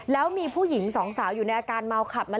แล้วมีผู้หญิงสองสาวอยู่ในอาการเมาขับมา